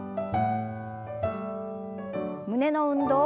胸の運動。